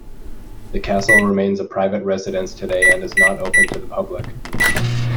The castle remains a private residence today and is not open to the public.